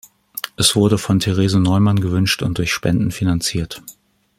Es wurde von Therese Neumann gewünscht und durch Spenden finanziert.